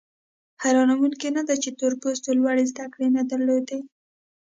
حیرانوونکي نه ده چې تور پوستو لوړې زده کړې نه درلودې.